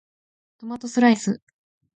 トマトスライス